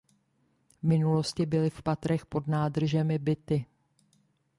V minulosti byly v patrech pod nádržemi byty.